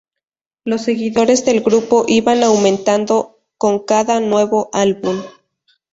Los seguidores del grupo iban aumentando con cada nuevo álbum.